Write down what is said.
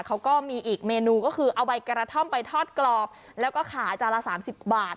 เขาก็มีอีกเมนูก็คือเอาใบกระท่อมไปทอดกรอบแล้วก็ขาจานละ๓๐บาท